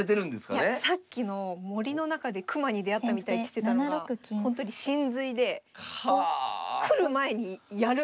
いやさっきの「森の中でクマに出会ったみたい」って言ってたのが本当に神髄で来る前にやるみたいな感じですね。